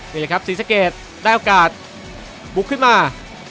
นี่แหละครับศรีสะเกดได้โอกาสบุกขึ้นมา